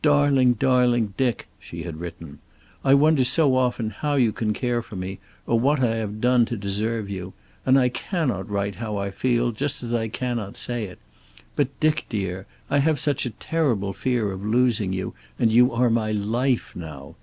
"Darling, darling Dick," she had written. "I wonder so often how you can care for me, or what I have done to deserve you. And I cannot write how I feel, just as I cannot say it. But, Dick dear, I have such a terrible fear of losing you, and you are my life now.